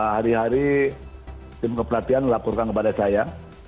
hari hari tim kepelatihan melaporkan kepada saya